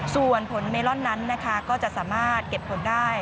ส่วนผลเมลอนนั้นนะคะก็จะสามารถเก็บผลได้